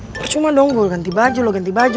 percuma dong gue udah ganti baju